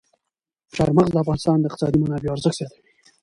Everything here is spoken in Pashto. چار مغز د افغانستان د اقتصادي منابعو ارزښت زیاتوي.